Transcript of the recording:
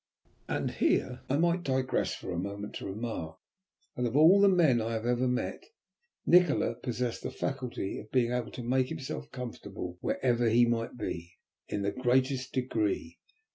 And here I might digress for a moment to remark, that of all the men I have ever met, Nikola possessed the faculty of being able to make himself comfortable wherever he might be, in the greatest degree.